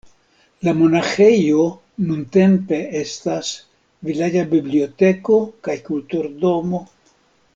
La monaĥejo nuntempe estas vilaĝa biblioteko kaj kulturdomo.